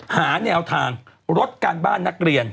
หาเนี่ยเอาทางลดการบ้านนักเรียน